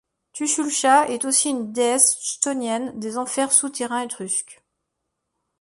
Tuchulcha est aussi une déesse chthonienne des enfers souterrains étrusques.